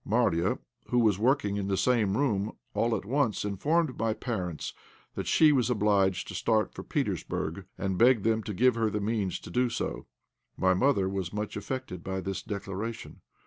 Marya, who was working in the same room, all at once informed my parents that she was obliged to start for Petersburg, and begged them to give her the means to do so. My mother was much affected by this declaration.